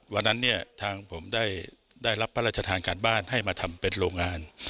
วันนั้นเนี่ยทางผมได้รับพระราชทานการบ้านให้มาทำเป็นโรงงาน